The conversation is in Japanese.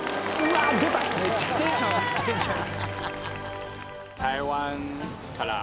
めっちゃテンション上がってんじゃん！